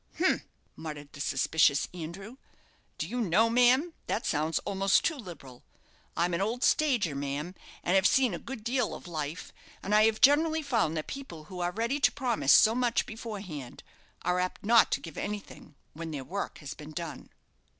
"Humph!" muttered the suspicious Andrew. "Do you know, ma'am, that sounds almost too liberal? I'm an old stager, ma'am, and have seen a good deal of life, and I have generally found that people who are ready to promise so much beforehand, are apt not to give anything when their work has been done."